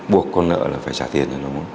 buộc con nợ là phải trả tiền